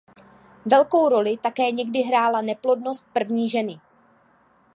Velkou roli také někdy hrála neplodnost první ženy.